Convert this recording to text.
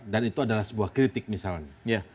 dan itu adalah sebuah kritik misalnya